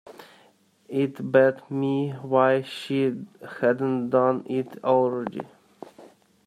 It beat me why she hadn't done it already.